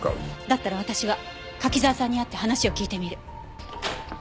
だったら私は柿沢さんに会って話を聞いてみる。